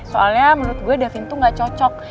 soalnya menurut gue daving tuh gak cocok